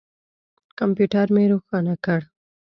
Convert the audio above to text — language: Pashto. کمپیوټر مې روښانه کړ.